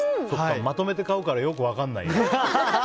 まとめて買うからよく分かんないや。